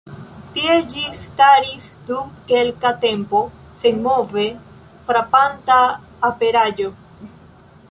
Tie ĝi staris dum kelka tempo, senmove; frapanta aperaĵo.